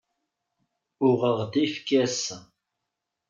Uɣeɣ-d ayefki ass-a.